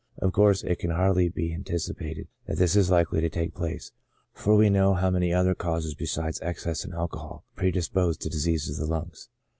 Of course it can hardly be anticipated that this is likely to take place, for we know how many other causes besides excess in alcohol predispose to diseases of the lungs.